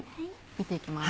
見ていきます。